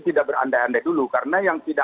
tidak berandai andai dulu karena yang tidak